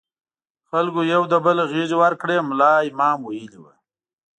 خلکو یو له بله غېږې ورکړې، ملا امام ویلي وو.